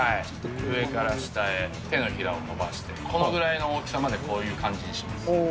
上から下へ、手のひらを伸ばして、このぐらいの大きさまで、こういう感じにします。